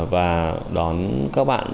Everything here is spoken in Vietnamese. và đón các bạn